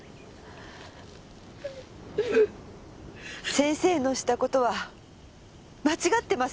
先生のした事は間違ってます。